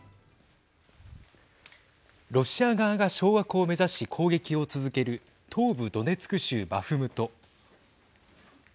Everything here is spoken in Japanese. ロシア側が掌握を目指し攻撃を続ける東部ドネツク州バフムト。